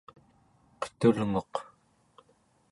qetulnguq